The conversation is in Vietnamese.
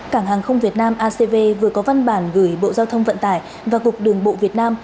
cảng hàng không việt nam acv vừa có văn bản gửi bộ giao thông vận tải và cục đường bộ việt nam